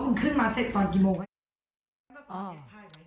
มึงขึ้นมาเสร็จตอนกี่โมง